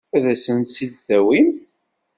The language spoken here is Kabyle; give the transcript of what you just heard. Ad asen-t-id-tawimt?